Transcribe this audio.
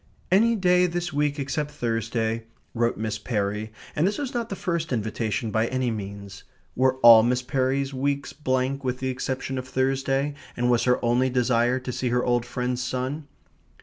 "Any day this week except Thursday," wrote Miss Perry, and this was not the first invitation by any means. Were all Miss Perry's weeks blank with the exception of Thursday, and was her only desire to see her old friend's son?